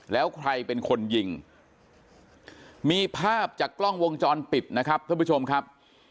แล้วใครเป็นคนยิงมีภาพจากกล้องวงจรปิดนะครับท่านผู้ชมครับ